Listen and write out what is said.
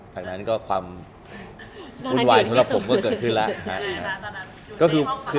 จากนั้นก็ความวุ่นวายสำหรับผมก็เกิดขึ้นแล้ว